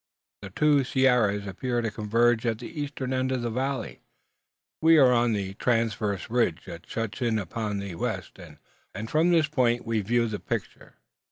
The two sierras appear to converge at the eastern end of the valley. We are upon a transverse ridge that shuts it in upon the west, and from this point we view the picture.